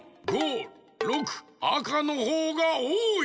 あかのほうがおおい。